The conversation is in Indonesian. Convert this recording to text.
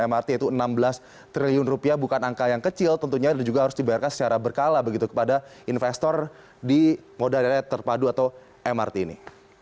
mrt itu enam belas triliun rupiah bukan angka yang kecil tentunya dan juga harus dibayarkan secara berkala begitu kepada investor di moda raya terpadu atau mrt ini